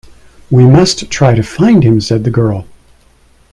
"We must try to find him," said the girl.